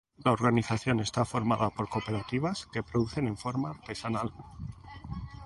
La organización está formada por cooperativas que producen en forma artesanal.